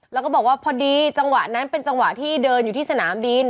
แล้วก็บอกว่าพอดีจังหวะนั้นเป็นจังหวะที่เดินอยู่ที่สนามบิน